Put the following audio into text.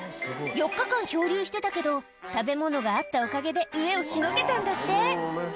４日間漂流してたけど、食べ物があったおかげで飢えをしのげたんだって。